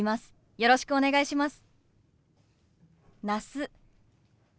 よろしくお願いします。